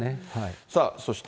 さあそして。